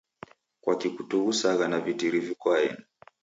Kwaki kutughusaa na vitiri viko aeni?